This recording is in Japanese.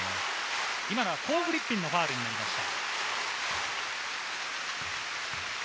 今のはコー・フリッピンのファウルになりました。